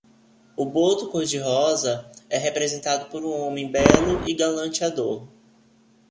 O boto-cor-de-rosa é representado por um homem belo e galanteador